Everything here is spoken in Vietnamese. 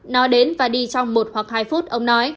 nói đến và đi trong một hoặc hai phút ông nói